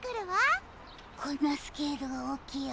こんなスケールがおおきい